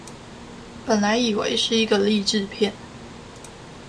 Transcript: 本來以為是一個勵志片